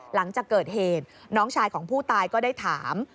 หลังจากเกิดเหตุน้องชายของผู้ตายก็ได้ถาม